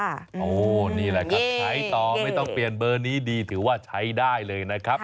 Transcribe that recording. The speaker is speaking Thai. โอ้โหนี่แหละครับใช้ต่อไม่ต้องเปลี่ยนเบอร์นี้ดีถือว่าใช้ได้เลยนะครับ